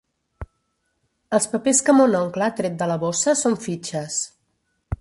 Els papers que mon oncle ha tret de la bossa són fitxes.